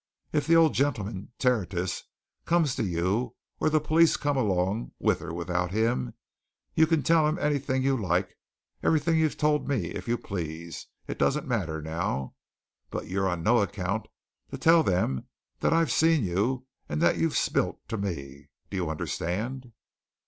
If the old gentleman, Tertius, comes to you, or the police come along with or without him, you can tell 'em anything you like everything you've told me if you please it doesn't matter, now. But you're on no account to tell them that I've seen you and that you've spilt to me do you understand?"